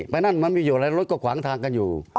นั่นมันมีอยู่ในรถก็ขวางทางกันอยู่